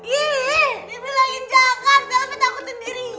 ihh ini lagi jangan